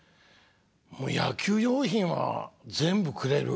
野球用品は全部くれる。